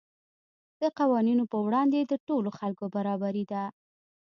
د قوانینو په وړاندې د ټولو خلکو برابري ده.